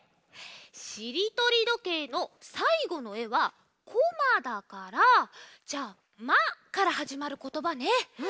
しりとりどけいのさいごのえは「こま」だからじゃあ「ま」からはじまることばね！